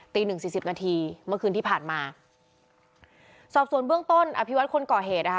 หนึ่งสี่สิบนาทีเมื่อคืนที่ผ่านมาสอบส่วนเบื้องต้นอภิวัตคนก่อเหตุนะคะ